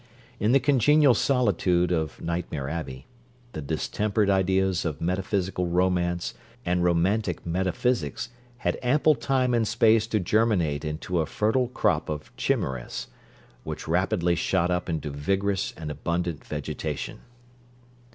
In the congenial solitude of Nightmare Abbey, the distempered ideas of metaphysical romance and romantic metaphysics had ample time and space to germinate into a fertile crop of chimeras, which rapidly shot up into vigorous and abundant vegetation.